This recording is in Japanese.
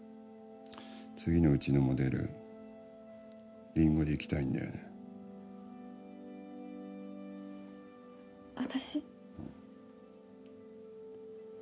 次のうちのモデルりんごでいきたいんだよね私？